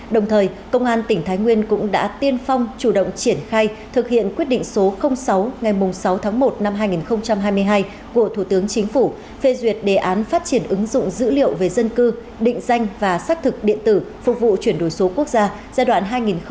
đồng thời công an tỉnh thái nguyên cũng đã tiên phong chủ động triển khai thực hiện quyết định số sáu ngày sáu tháng một năm hai nghìn hai mươi hai của thủ tướng chính phủ phê duyệt đề án phát triển ứng dụng dữ liệu về dân cư định danh và xác thực điện tử phục vụ chuyển đổi số quốc gia giai đoạn hai nghìn hai mươi một hai nghìn ba mươi